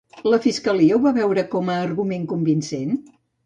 La fiscalia ho va veure com a argument convincent?